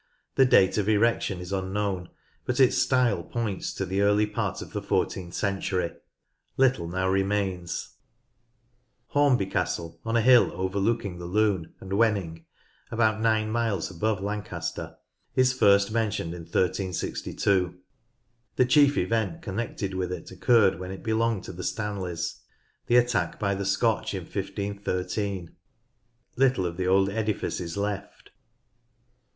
The date of erection is unknown, but its style points to the early part of the fourteenth century. Little now remains. 13G NORTH LANCASHIRE Hornby Castle, on a hill overlooking the Lune and Wenning, about nine miles above Lancaster, is first mentioned in 1362. The chief event connected with it occurred when it belonged to the Stanleys — the attack by the Scotch in 1513. Little of the old edifice is left.